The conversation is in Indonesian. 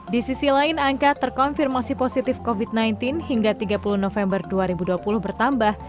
di sisi lain angka terkonfirmasi positif covid sembilan belas hingga tiga puluh november dua ribu dua puluh bertambah